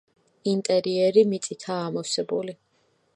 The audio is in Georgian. ინტერიერი მიწითაა ამოვსებული.